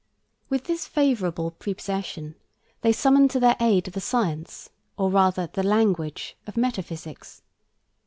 With this favorable prepossession they summoned to their aid the science, or rather the language, of Metaphysics.